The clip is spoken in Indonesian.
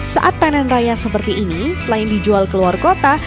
saat panen raya seperti ini selain dijual ke luar kota